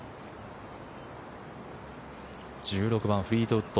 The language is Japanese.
１６番、フリートウッド。